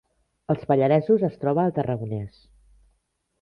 Els Pallaresos es troba al Tarragonès